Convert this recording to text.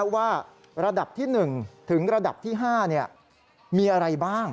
ว่าระดับที่๑ถึงระดับที่๕มีอะไรบ้าง